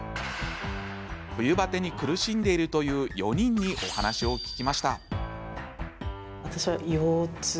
冬バテに苦しんでいるという４人にお話を聞きました。